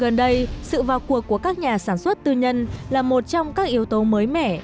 gần đây sự vào cuộc của các nhà sản xuất tư nhân là một trong các yếu tố mới mẻ